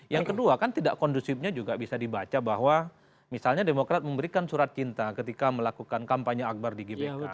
yang kedua kan tidak kondusifnya juga bisa dibaca bahwa misalnya demokrat memberikan surat cinta ketika melakukan kampanye akbar di gbk